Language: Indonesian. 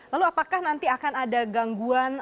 lalu apakah nanti akan ada gangguan